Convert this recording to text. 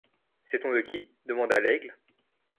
Sait-on de qui ? demanda Laigle.